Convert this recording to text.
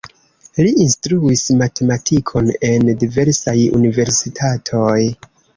Li instruis matematikon en diversaj universitatoj.